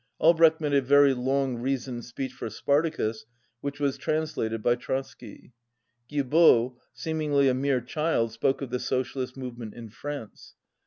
Albrecht made a very long reasoned speech for Spartacus, which was trans lated by Trotsky. Guilbeau, seemingly a mere child, spoke of the socialist movement in France.